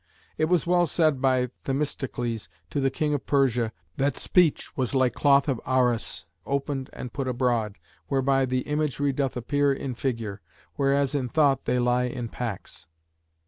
It was well said by Themistocles to the King of Persia, 'That speech was like cloth of arras opened and put abroad, whereby the imagery doth appear in figure; whereas in thought they lie in packs.'